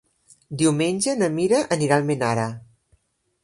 Diumenge na Mira anirà a Almenara.